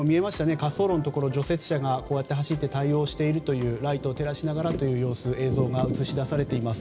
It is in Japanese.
滑走路のところ除雪車が走って対応しているライトを照らしながらという様子が映し出されています。